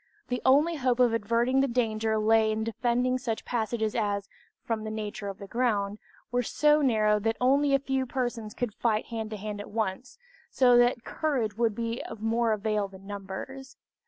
The only hope of averting the danger lay in defending such passages as, from the nature of the ground, were so narrow that only a few persons could fight hand to hand at once, so that courage would be of more avail than numbers.